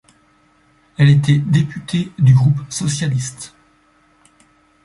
Elle était députée du groupe socialiste.